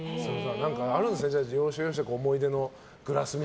あるんですね要所要所に思い出のグラスが。